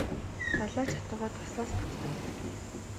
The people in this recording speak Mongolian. Далай ч атугай дуслаас бүтдэг юм.